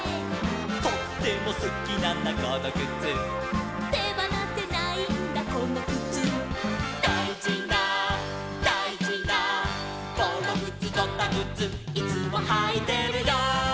「とってもすきなんだこのクツ」「てばなせないんだこのクツ」「だいじなだいじなボログツドタグツ」「いつもはいてるよ」